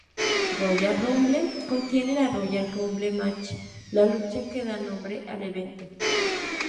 Royal Rumble contiene la Royal Rumble match, la lucha que da nombre al evento.